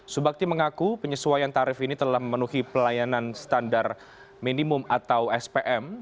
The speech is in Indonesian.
subakti mengaku penyesuaian tarif ini telah memenuhi pelayanan standar minimum atau spm